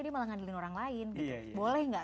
dia malah ngadilin orang lain boleh gak